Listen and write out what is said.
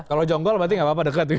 kalau jonggol berarti tidak apa apa dekat